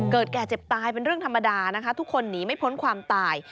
แก่เจ็บตายเป็นเรื่องธรรมดานะคะทุกคนหนีไม่พ้นความตาย